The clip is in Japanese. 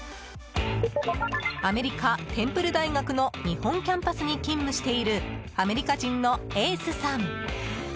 アメリカ、テンプル大学の日本キャンパスに勤務しているアメリカ人のエースさん。